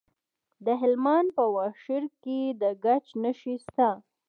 د هلمند په واشیر کې د ګچ نښې شته.